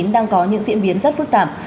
đang có những diễn biến rất phức tạp